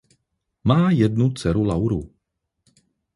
Má jednu dceru Lauru.